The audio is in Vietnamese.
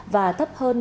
và thấp hơn